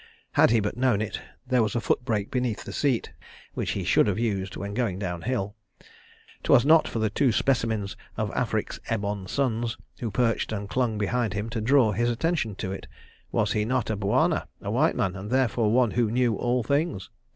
Had he but known it, there was a foot brake beneath the seat, which he should have used when going down hill. 'Twas not for the two specimens of Afric's ebon sons, who perched and clung behind him, to draw his attention to it. Was he not a Bwana, a white man, and therefore one who knew all things?